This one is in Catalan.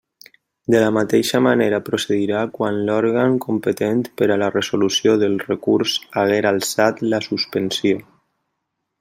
De la mateixa manera procedirà quan l'òrgan competent per a la resolució del recurs haguera alçat la suspensió.